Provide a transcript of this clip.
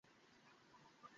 কী বলেছো ওকে?